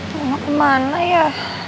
nggak mau kemana ya